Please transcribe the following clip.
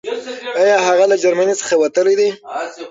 آيا هغه له جرمني څخه وتلی دی؟